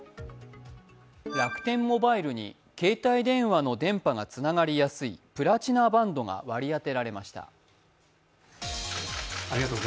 楽天モバイルに携帯電話の電波がつながりやすいプラチナバンドが割り当てられました。